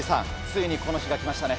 ついにこの日が来ましたね。